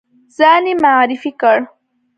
ځان یې معرفي کړ.